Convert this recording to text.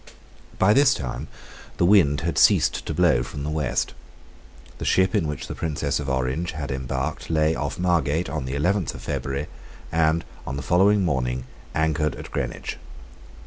By this time the wind had ceased to blow from the west. The ship in which the Princess of Orange had embarked lay off Margate on the eleventh of February, and, on the following morning, anchored at Greenwich.